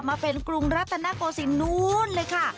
มาเป็นกรุงรัตนโกศิลปนู้นเลยค่ะ